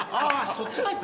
そっちタイプ？